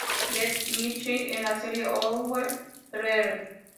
B" Mitchell en la serie "Over There".